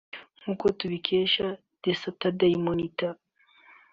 nk’uko tubikesha The Sunday Monitor